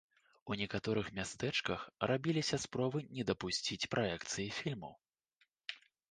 У некаторых мястэчках рабіліся спробы не дапусціць праекцыі фільму.